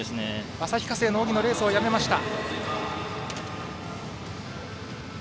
旭化成の荻野レースをやめました。